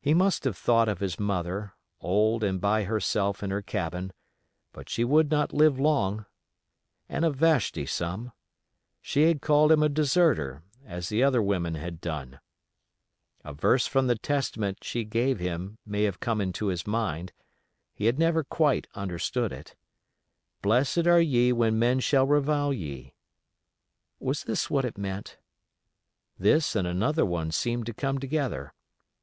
He must have thought of his mother, old and by herself in her cabin; but she would not live long; and of Vashti some. She had called him a deserter, as the other women had done. A verse from the Testament she gave him may have come into his mind; he had never quite understood it: "Blessed are ye when men shall revile ye." Was this what it meant? This and another one seemed to come together.